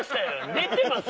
出てます